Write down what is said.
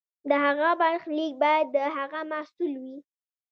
د هغه برخلیک باید د هغه محصول وي.